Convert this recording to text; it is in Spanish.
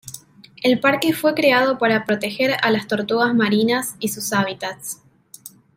El parque fue creado para proteger a las tortugas marinas y sus hábitats.